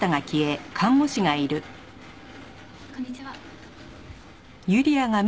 こんにちは。